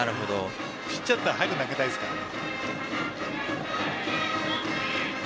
ピッチャーだったら早く投げたいですからね。